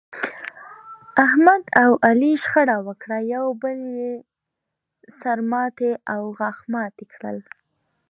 احمد او علي شخړه وکړه، یو بل یې سر ماتی او غاښ ماتی کړل.